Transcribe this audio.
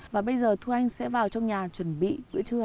và bây giờ thu anh sẽ vào trong nhà chuẩn bị bữa trưa